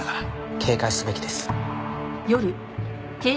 警戒すべきです。